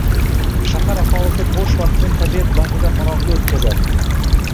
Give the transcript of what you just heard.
Shahar aholisi bo‘sh vaqtini tabiat bag‘rida maroqli o‘tkazadi.